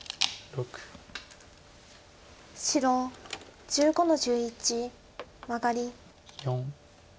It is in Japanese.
白１５の十一マガリ。